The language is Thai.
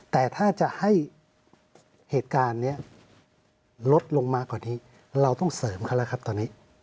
แต่ถ้าจะให้เหตุการณ์นี้ลดลงมากกว่านี้เราต้องเสริมเขาแล้วครับตอนนี้